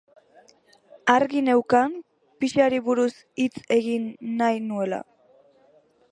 Argi neukan pixari buruz hitz egin nahi nuela.